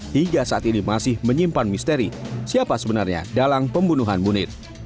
hingga saat ini masih menyimpan misteri siapa sebenarnya dalang pembunuhan munir